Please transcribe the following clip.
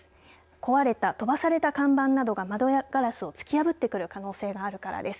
壊れた、飛ばされた看板などが窓ガラスを突き破ってくる可能性があるからです。